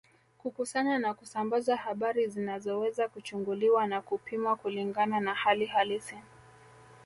Kukusanya na kusambaza habari zinazoweza kuchunguliwa na kupimwa kulingana na hali halisi